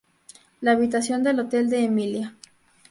La habitación de hotel de Emilia.